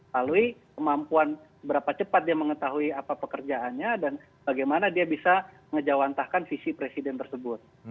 lalu kemampuan berapa cepat dia mengetahui apa pekerjaannya dan bagaimana dia bisa ngejawantahkan visi presiden tersebut